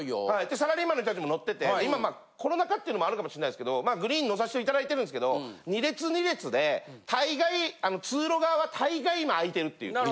サラリーマンの人達も乗ってて今まあコロナ禍っていうのもあるかもしんないですけどグリーン乗さしていただいててるんですけど２列２列でたいがい通路側はたいがい今空いてるっていう。